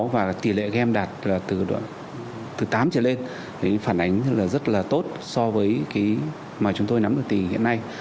và tỷ lệ game đạt từ tám trở lên phản ánh rất là tốt so với mà chúng tôi nắm được tỷ hiện nay